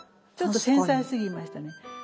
ちょっと繊細すぎましたね。